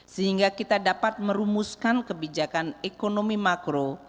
sehingga kita dapat merumuskan kebijakan ekonomi makro